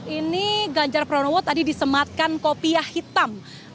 ini ganjar pranowo tadi disematkan kopiah hitam